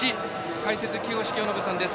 解説は木越清信さんです。